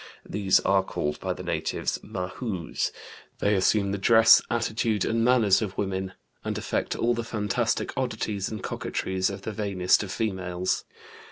These are called by the natives Mahoos; they assume the dress, attitude, and manners of women, and affect all the fantastic oddities and coquetries of the vainest of females.